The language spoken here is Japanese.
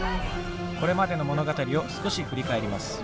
これまでの物語を少し振り返ります。